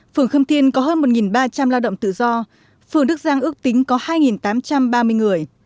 phường khâm thiên có hơn một ba trăm linh lao động tự do phường đức giang ước tính có hai tám trăm ba mươi người